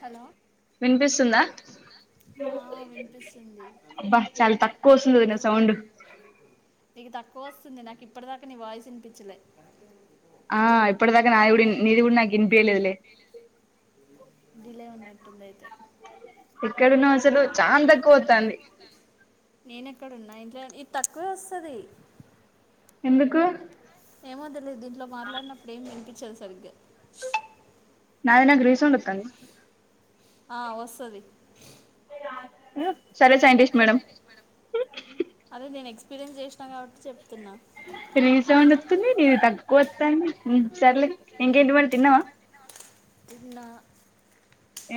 Hello వినిపిస్తుందా ఆ వినిపిస్తుంది అబ్బా చాలా తక్కువ వస్తుంది వదిన సౌండ్ నీకు తక్కువ వస్తుంది నాకు ఇప్పటి దాకా నీ వాయిస్ వినిపించలే ఆ ఇప్పుడుదాకా నాది కూడా నీది కూడా వినిపియలేదు లే డిలే ఉన్నట్టుంది అయితే ఎక్కడ ఉన్నావ్ అసలు చాన్ తక్కువ వతాంది నేను ఎక్కడ ఉన్నా ఇంట్లో ఇది తక్కువే వస్తది ఎందుకు ఏమో తెలియదు దీంట్లో మాట్లాడినప్పుడు ఏం వినిపించదు సరిగ్గా [unintelligible] నాకు రీసౌండ్ వతాంది ఆ వస్తది సరే సైంటస్ట్ మేడం అదే నేను ఎక్స్పీరియన్స్ చేసినా కాబట్టి చెప్తున్న రిసౌండ్ వతుంది నీది తక్కువ వతాంది సర్లే ఇంకేంటి మరి తిన్నావా తిన్నా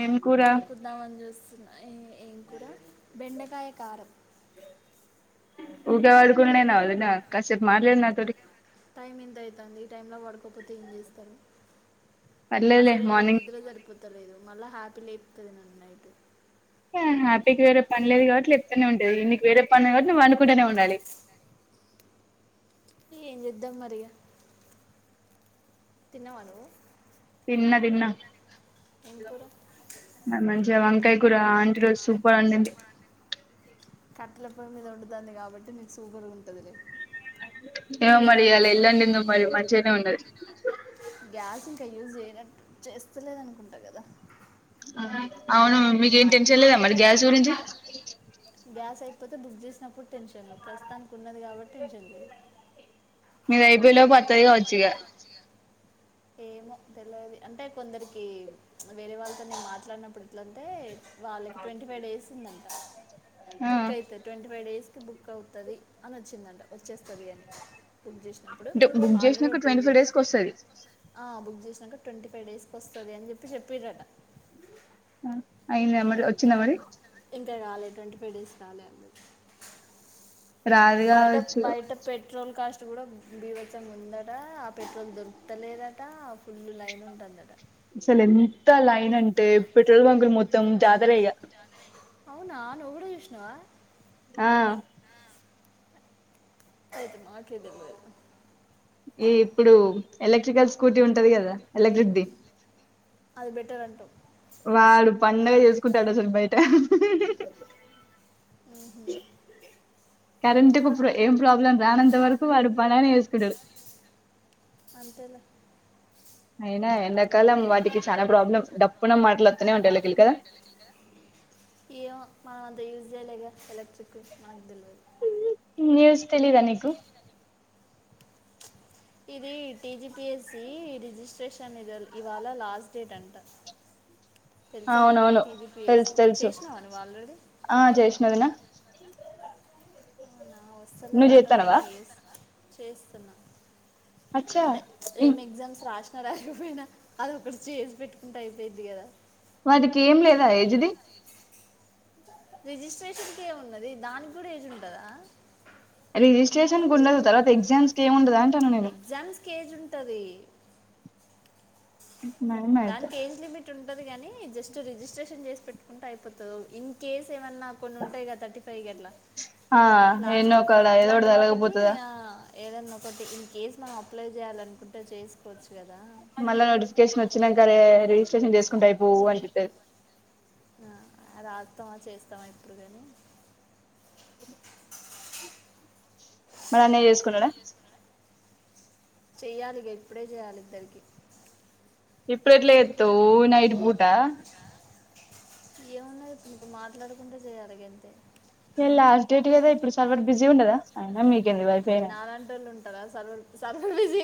ఏం కూర పడుకుందామని చూస్తున్నా ఎ ఏం కూరా బెండకాయ కారం ఉకె ఆడుకునుడేనా వదిన కాసేపు మాట్లాడు నాతోటి టైం ఎంత అయితాంది ఈ టైంలో పడుకోపోతే ఏం చేస్తారు పర్లేదులే అసలే నాకు మార్నింగ్ నిద్రలో సరిపోతలేదు మళ్ళా హ్యాపీ లేపుతది నన్ని నైట్ హ్యాపీకి వేరే పనిలే లే కాబ్బటి లేప్తూనే ఉంటది నికి వేరే పని ఉంది కాబ్బటి నువ్వు పండుకుంటూనే ఉండాలి ఏం చేద్దాం మరి ఇగా తిన్నవా ను తన్న తిన్న కూర మమ వంకాయ కూడా ఆంటీ రోజు సూపర్ ఉండింది కట్టెల పయ్య మీద వండుతుంది కాబట్టి మీకు సూపర్ ఉంటుందిలే ఏమో మరి ఇల ఇల్లాండింద మరి మంచిగానే ఉండది య్యూయనట్ చేస్తలేద అనుకుంటా కదా అవును మీక ఏం టెన్షన్ లేదా మరి గ్యాల్స్ గురించి గ్యాస్ అయిపోతే బుక్ చేసినప్పుడు టెన్షను ప్రస్తుతానికి ఉన్నది కాబట్టి టెన్షన్ లేదు మీదైపోలో పతుది కా వచ్చుగా ఏమో తెలియదు అంటే కొందరికి వేరే వాళ్ళతో నే మాట్లాడినప్పుడు ఎట్లంటే వాళ్ళకి ట్వంటీ ఫైవ్ డేస్ ఉందండి ఆ బుక్ అయితు ట్వంటీ ఫైవ్ డేస్ కి బుక్ అవుతుది అని వచ్చిందంట వచ్చేస్తుంది అని కుక్ చేసినప్పుడు అంటే బుక్ ఆల్రెడీ ఒక చేసినాక two twenty five weeks days కి వస్తది బుక్ చేసినాక ట్వంటీ ఫైవ్ డేస్ క వస్తుంది అని చెప్పి చెప్పడట అయింది మరి వచ్చిందా మరి పెగాలి ఎటువంటి పెడిస్తాలి అ రాదు కావచ్చు పెట్రోల్ కాస్ట్ కూడా బీవత్సంగా ఉందట ఆ పెట్రోల్ దొరకలేదట ఆ ఫుల్ లైన్ ఉంటుందట అసలు ఎంత లైన్ అంటే పెట్రోల్ బంకులు మొత్తం జాతరగా అవునాను ఎవడో విష్ణవా ఆ అదు మాకద పో ఈ ఇప్పుడు ఎలక్ట్రికల్ స్కూటీ ఉంటది కదా ఎలక్ట్రిక్దిి అది బెటర్ అంటాం వాడు పండగ చేసుకుంటాడు అసలు బయట ఆహ కరెంట్ కు ఏం ప్రాబ్లం రానంత వరకు వాడు పలానే వేసుకు అంతేలా అయినా ఎంకాలం వాటికి చాలా ప్రాబ్లం డప్పున మాట్లా ఏయ్యో మ అద జ ఎల న్యూస్ తెలీదా నీకు ఇది టిజిపిఎస్సి రిజిస్ట్రేషన్ ఇది ఇవాళ లాస్ట్ డేట్ అంట తెలుసా నీకు అవునవును తెలుసు టీజీపీఎస్సి తెలుసు చేసినావా నువ్వు ఆల్రెడీ ఆ చేసినదనా నా నువ్వు వస్తలేదట చేత్తన్నవా? నేను చే చేస్తున్నాను అచ్చా అంటే ఇ ఏం ఎగ్జామ్స్ రాసి రాకపోయినా అది ఒకటి చేసి పెట్టుకుంటే అయిపోయిద్ది కదా వాటికి ఏం లేదా యజది రిజిస్ట్రేషన్ క ఏము ఉన్నది దానికి కూడా ఏజ్ ఉంటదా రిజిస్ట్రేషన్ ఉండదు తర్వాత ఎగ్జామ్స్ క ఏమి ఉండదు అంటాను నేను ఎగ్జామ్స్కి ఏజ్ ఉంటుంది నయమే అయితే. దానికి ఏంజ్ లిమిట్ ఉంటది కాగాని జస్ట్ రిజిస్ట్రేషన్ చేసి పెట్టుకుంటే అయిపోతుంది ఇన్ కేస్ సెవెన్ నా కొన్ని ఉంటాయి కద థర్టీ ఫైవ్ ఎట్లా ఆ ఎన్నో ఒకాల దొడ్దలపోతుదా ఆ, ఏదన్నా ఒకటి ఇన్ కేస్ మనం అప్లై చేయాలనుకుంటే చేసుకోవచ్చు కదా మళ్ళా నోటిఫికేషన్ వచ్చినాకరే రిజిస్ట్రేషన్ చేసుకుంటా అయి పో అంట ఆ రాస్తామా చేస్తామా ఎప్పుడు కాని అ మరి అన్నీ చేసుకున్నడా చెయ్యాలిక ఇప్పుడే చెయాలి ఇద్దరికి ఇప్పుడెట్లా చేత్తావు నైట్ పూట ఏమున్నా ఇప్పుడు ఇప్పుడు మాట్లాడుకుంటా చేయాలి గాంతే ఏ లాస్ట్ డేట్ కదా ఇప్పుడు సర్వర్ బిజీ ఉండదా అయినా మీకు ఏ నాలంటోళ్ళు ఉంటారా సర్వర్ సర్వర్ బిజీ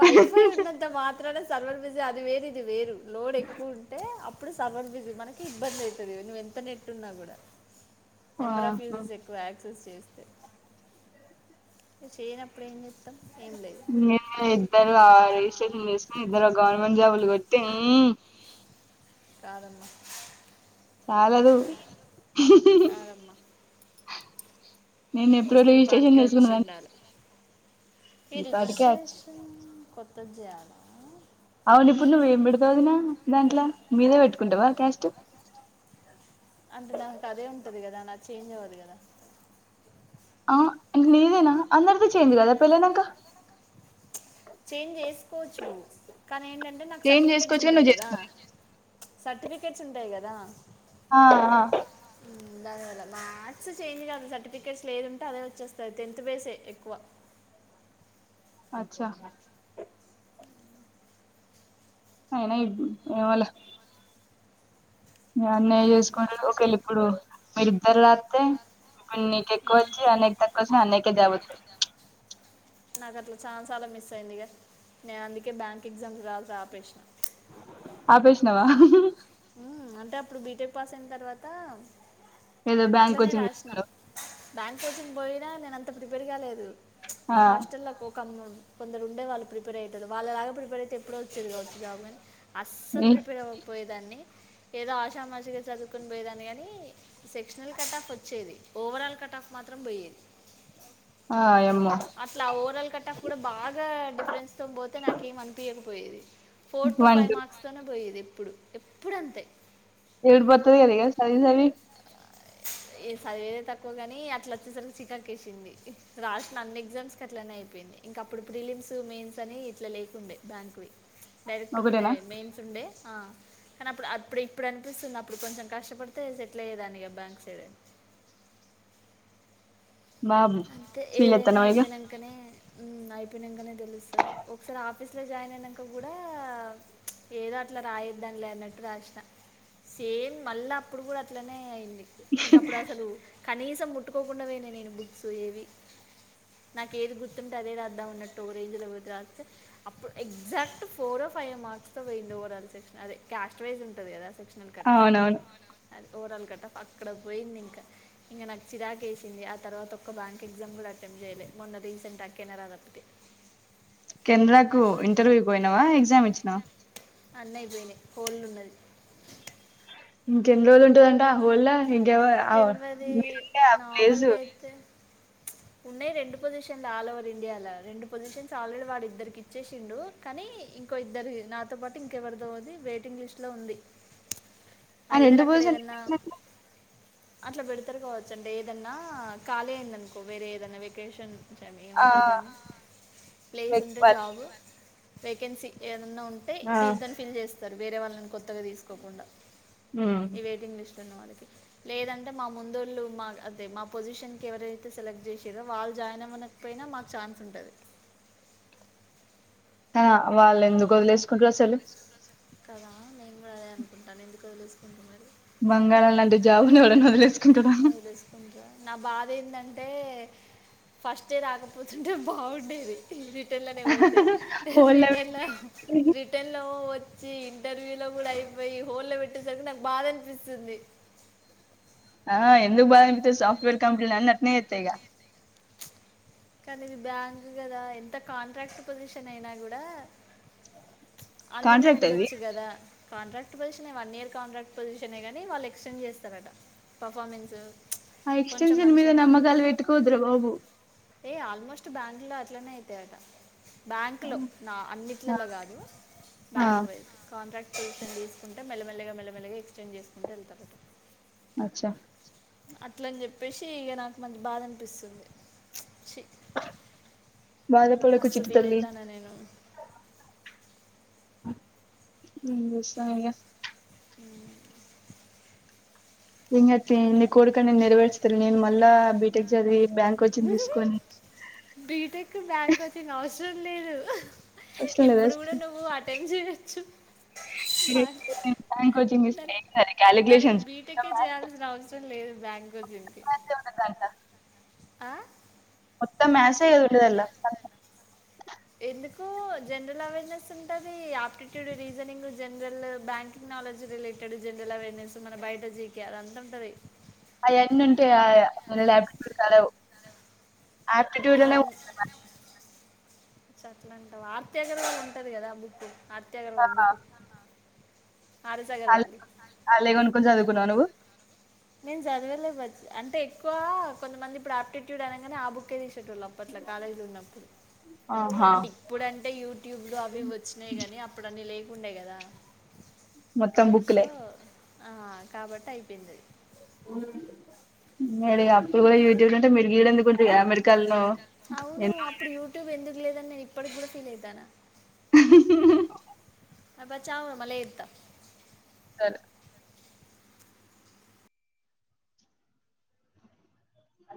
వైఫై ఉన్నంత మాత్రన సర్వర్ బిజీ అది వేరు ఇది వేరు లోడ్ ఎక్కువ ఉంటే అప్ప్ అప్పుడు సర్వర్ బిజీ మనకి ఇబ్బంది అయితాది నువ్వు ఎంత నెట్టు ఉన్నా కూడా నెంబర్ ఆఫ్ ఆహా యూజెస్ ఎక్కువ యాక్సెస్ చేస్తే చేయన అప్పుడు [unintelligible] మ్య ఇద్దరు ఆ రీ [unintelligible] ఇద్దరు గవర్నమెంట్ జాబ్లు కొట్టె కాదమ్మ చాలదు కాదమ్మా నేను ఎప్పుడో వస్తే ఈ రిజిస్ట్రేషన్ పాటికే వచ్చి చేసుకుదాన్ని ఉండాలి ఈ అచ్చు రజిస్ట్రేషన్ కొత్త జాబ అవును ఇప్పుడు నువ్వు ఏం పెడతావు వదిన దాంట్లో మీదే పెట్టుకుంటావా క్యాస్ట్ ఆ అంటే నాకు అదే ఉంటది కదా నాది చేంజ్ అవ్వదు కదా ఆ అంటే నీదేనా అందరిదీ చెంజ్ కదా పెళ్ళి అయినంకా చేంజ్ చేసుకోవచ్చు కానీ ఏంటంటే నాకు చేంజ్ సర్టిఫికెట్స్ చేసుకోవచ్చు కానీ ఉంటాయి నువ్వు కదా చేసుకోలే సర్టిఫికేట్స్ ఉంటాయి కదా అవున ఉండాల మాళ్ళ [unintelligible] మ్యాథ్స్ చేంజ్ కాదు సర్టిఫికెట్స్ లేదుంటే అదే వచ్చేస్తంది టెన్త్ బేసె ఎక్కువ అచ్చా అవునా ఇబ్ ఏమో లే మా అన్నయ చేసుకొయిండు డు ఒక వేళ ఇప్పుడు మీరిద్దరు రాస్తే ఒకవేళ నీకు ఎక్కువ వచ్చి అన్నయ్య కి తక్కువ వచ్చిన అన్నయ్య కే జాబ్ వత్తాయి నాకు అట్లా చాన సార్లు మిస్ అయింది ఇక నేను అందుకే బ్యాంక్ ఎగ్జామ్స్ రాసుడు అపేస ఆపేసినవా మ్మ్, అంటే అప్పుడు బీటెక్ పాస్ అయిన తర్వాత ఏదో బ్యాంక్ కు అట్లనే వచ్చిండిరి మీ రాసిన ఊరొళ్ళు [unintelligible] బ్యాంక్ కోచింగ్ పోయినా నేను అంత ప్రిపేర్ కాలేదు మా ఆ హాస్టల్లో కొందరు ఉండే వాళ్ళు ప్రిపేర్ అయిటొళ్ళు వాళ్ళలాగా ప్రిపేర్ అయితే ఎప్పుడొ వచ్చేది కావచ్చు జాబ్ అస్సలు ఏ ప్రీపెర్ అవకపొయే దాన్ని ఏదో ఆషామాషిగా చదువుకుని పోయేదాన్ని కాని సెక్షన్ల్ కట్ ఆఫ్ వచ్చేది ఓ ఓవరాల్ కట్ ఆఫ్ మాత్రం పోయ్యది అయామ్మో ల కట్టాప్ కూడా బాగా డిఫరెన్స్ తో పోతే నాకు ఏం అనిపియక పోయేది four two one five two marks తోనే పోయేది ఎప్పుడు ఎప్పుడు అంతే ఏడుపు వత్తింది కదా ఇక చదివి చదివీ అ ఏ చదివేదే తక్కువగాని అట్లా వచ్చేసరికి చికకేసింది రాసిన అన్ని ఎగ్జామ్స్ కి అట్లానే అయిపోయింది ఇంకా అప్పుడు ప్రీలియమ్స్ మెయిన్స్ అనే ఇట్లా లేకుండే బ్యాంక్వి డైరెక్ట్ ఒకటే ఒకటేనా మెయిన్స్ ఉండే ఆ కానీ అప్పుడు అప్పుడు ఇప్పుడు అనిపిస్తుంది అప్పుడు కొంచెం కష్టపడితే సెటిల్ అయ్యేదాన్ని అబ్బా వచ్చెద బాబు అంతే ఫీల్ ఏదైనా అయితన్నావా ఇగ అయిపోయినాంకనే మ్మ్ అయిపోయినాంకనే తెలుస్తాది ఒకసారి ఆఫీస్ లో జాయిన్ అయినాక కూడా ఏదో అట్లా రాయద్దని లే అన్నట్టు రాసిన సేమ్ మళ్ళ అప్పుడు కూడా అట్లనే అయింది ఇంక అప్పుడు అసలు కనీసం ముట్టుకోకుండా పోయిన నేను బుక్స్ ఏవి నాకు ఏది గుర్తుంటే అదే రాద్దాంన్నట్టు ఒ రేంజ్లో పోతే రాస్తే అప్పుడు ఎగ్జాక్ట్ ఫోరో ఫైవ్ మార్క్స్ తో పోయింది ఓవరాల్ సెక్షన్ అదే క్యాస్ట్ వైస్ ఉంటంది కదా సక్షన్ కట్ అఫ్ అవునవును ఓవరాల్లు కట్ అక్కడ పోయింది ఇంక ఇంక నాకు చిరాకేసింది ఆ తర్వాత ఒక బ్యాంక్ ఎగ్జామ్ కూడా అటెంప్ట్ చేయలే మొన్న రీసెంట్ అ కెనెరా తప్పితే కెనెరాకు ఇంటర్వ్యూ పోయినావా ఎగ్జామ్ ఇచ్చినావా అన్ని అయిపోయినాయి హోల్డ్ ఉన్నది ఎన్ని రోజులు ఉంటదంటా హోల్డ్ లో ఇంకెవ తెలియదు మీరుండే ఆ ప్లేసు నార్మల్గా అయితే ఉన్నాయి రెండు పొజిషన్లు ఆల్ ఓవర్ ఇండియాలో రెండు పొజిషన్స్ ఆల్రెడీ వాడు ఇద్దరికి ఇచ్చేసిండు కానీ ఇంకో ఇద్దరి నాతో పాటు ఇంకెవరిదోది వెయిటింగ్ లిస్ట్లో ఉంది ఆ రెండు ఇద్దరు అక్కడ ఏదన్నా పోసిషను [inaudible] అట్లా పెడతారు కావచ్చండి ఏదన్నా ఖాళీ అయింది అనుకో వేరే ఏదన్నా వెకేషన్ ఆ ఏమంటారు దాన్ని ప్లేస్ ఉంటే వెక్పాల్. జాబ్ వేకెన్సీ ఏ ఉంటే ఆ దీంతోని ఫిల్ చేస్తారు వేరే వాళ్ళని కొత్తగా తీసుకోకుండా ఉమ్. ఈ వెయిటింగ్ లిస్ట్ [unintelligible] లేదంటే మా ముందోళ్ళు మా అదే మా పొజిషన్ కి ఎవరైతే సెలెక్ట్ చేషిరో వాళ్ళు జాయిన్ అవ్వనకపోయినా మాకు ఛాన్స్ ఉంటది అ వాళ్ళు ఎందుకు వదిలేసుకుంటరు అసలు కదా నేను కూడా అదే అనుకుంటాను ఎందుకు తెలుసుకుంటున్నా బంగారం లాంటి జాబు ని ఎవడైనా వదిలేసుకుంటడా వదిలేసుకుంటా నా బాధ ఏందంటే ఫస్టె రాకపోతుంటే బాగుండేది ఈ రిటర్న్ లోనే పోతే హోల్డ్ రిటర్న్ లో పెట్టి రిటర్న్ లో వచ్చి ఇంటర్వ్యూ లో కూడా అయిపోయి హోల్డ్ లో పెట్టేసరికి నాకు బాధ అనిపిస్తుంది ఆహా ఎందుకు బాధ అనిపించదు సాఫ్ట్వేర్ కంపెనీలన్నీ అట్నే చేస్తాయి గా కానీ ఇది బ్యాంక్ కదా ఎంత కాంట్రాక్ట్ పొజిషన్ అయినా కూడా అన్ననే కాంట్రాక్ట్ అది ఉండొచ్చు కదా కాంట్రాక్ట్ పొజిషనే వన్ ఇయర్ కాంట్రాక్ట్ పొజిషనే కానీ వాళు ఎక్స్టెండ్ చేస్తారట పర్ఫార్మెన్సు ఆ ఎక్స్టెన్షన్ మీద నమ్మకాలు పెట్టుకోవద్దు ర బాబు ఆల్మోస్ట్ బ్యాంకు లో అట్లనే అయితాయట బ్యాంక్ ఆ లో నా అన్నిట్లలో కాదు ఆ బ్యాంకు వైస్ కాంట్రాక్ట్ ట్యూషన్ తీసుకుంటే మెలమెల్లగా మెల్మెల్గా ఎక్స్టెండ్ చేసుకుంట వెళ్తారట అచ్చా అట్లని చెప్పేసి ఇక నాకు మంచి బాధ అనిపిస్తుంది బాలపడ మస్తు ఫీల్ కుచితల్ అవుతాను నేను ఏం చేస్తమయ్య మ్ ఇంగ తియి ని కోడుకనీ నెరవేర్చుతడులే నేను మల్లా బీటెక్ జదివీ బీటెక్ కి బ్యాంక్ కోచింగ్ అవసరం లేదు అవసరం లేదా ఇప్పుడు కూడా నువ్వు అటమ్ట్ చేయచ్చు బ్యాంక్ కోచింగ్ తీస్ దానికి క్యాలిక్యులేషన్స్ మొత్తం బీటెక్కే మ్యాథ్స్ చేయాల్సిన అవసరం లేదు బ్యాంగ జంది ఏ ఉంటది దాంట్ల ఆ [unintelligible] మొత్తం మ్యాథ్సే కదా ఉండెదానిలొ ఎందుకు జనరల్ అవేర్నెస్ ఉంటది aptitude reasoning general banking technology related general awareness మన బయట జీకె అదంత ఉంటది అయన్నీ ఉంటె న [inaudible] ప్ట కాలేవు ఆప్టిట్యూడ్ అనే ఉం [inaudible] సొ అట్ల అంటావ ఆర్తీ అగర్వాల్ ఉంటది కదా బుక్ ఆర్తీఅగర్వాల్ బుక్ ఆర్ఎస్ అ అగర్వాల్ది అళేగనుకుని చదువుకున్నావు నువ్వు నేను చదివలే అంటే ఎక్కువ కొంతమంది ఇప్పుడు ఆయాప్టిట్యూడ్ అనగానే ఆ బుక్ేది చెలు అప్పట్ల కాాలయలు ఉన్నప్పుడు ఆహా అంటే ఇప్పుడంటే యూట్యూబ్ లో అవి వచ్చినాయి కాని అప్పుడ అన్నిీ లేకుండే కదా మొత్తం సో బుక్లే ఆ కాబట్టి అయిపోయింది మడి అప్పుడు కూడా యూట్యూబ్ లోంటే మెడిగడ ఎందుకుంట మడికాాలను అవును అప్పుడు యూట్యూబ్ ఎందుకు లేదని నేను ఇప్పటికి కూడా ఫీల్ అవుతానా అబ్బా చావు మలే ఇద్ద సద